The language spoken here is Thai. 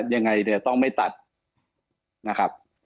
ยังไงเนี่ยต้องไม่ตัดนะครับ